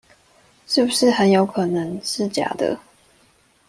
是不是很有可能是假的